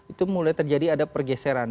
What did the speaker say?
itu mulai terjadi ada pergeseran